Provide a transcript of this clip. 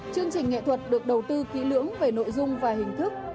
chương trình nghệ thuật được đầu tư kỹ lưỡng về nội dung và hình thức